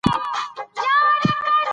وروري خپله ده.